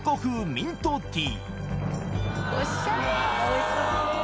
ミントティー。